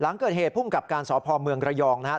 หลังเกิดเหตุภูมิกับการสพเมืองระยองนะครับ